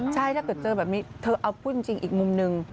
ใช่ถ้าเกิดเจอแบบนี้เธอเอาพูดจริงอีกมุมหนึ่ง